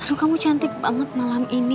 aduh kamu cantik banget malam ini